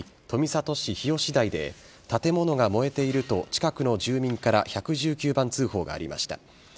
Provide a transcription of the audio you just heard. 富里市日吉台で建物が燃えていると近くの住民から１１９番通報がありました。